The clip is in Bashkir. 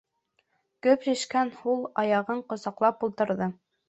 Гөп шешкән һул аяғын ҡосаҡлап ултырҙы.